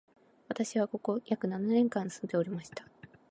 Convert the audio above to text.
私は、ここに約七年間住んでおりました